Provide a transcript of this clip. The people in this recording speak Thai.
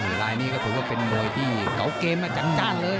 ลายนี้ก็ถือว่าเป็นมวยที่เก่าเกมมาจัดการเลย